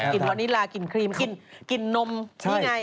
วานิลากินครีมกินนมนี่ไง